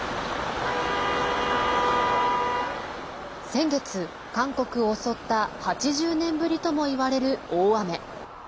先月、韓国を襲った８０年ぶりともいわれる大雨。